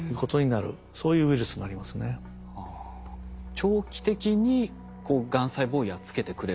長期的にがん細胞をやっつけてくれる。